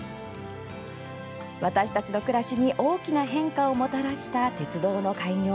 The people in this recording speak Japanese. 私たちの暮らしに大きな変化をもたらした鉄道の開業。